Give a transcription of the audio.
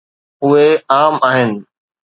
اهي عام آهن.